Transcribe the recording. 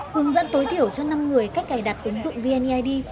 hướng dẫn tối thiểu cho năm người cách cài đặt ứng dụng vneid